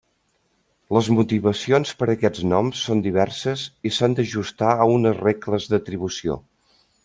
Les motivacions per a aquests noms són diverses i s'han d'ajustar a unes regles d'atribució.